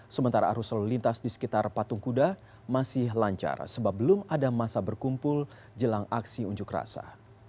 sementara arus lalu lintas di sekitar patung kuda masih lancar sebab belum ada masa berkumpul jelang aksi unjuk rasa